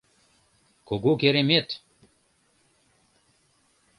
Кугу керемет!